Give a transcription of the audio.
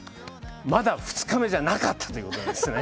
まだ２日目じゃなかったということですね。